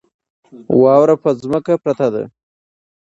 واوره په ځمکه پرته ده.